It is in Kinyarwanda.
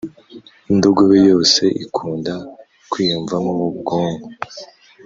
indogobe yose ikunda kwiyumvamo ubwonko